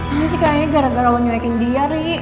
ini sih kayaknya gara gara lo nyewekin dia ri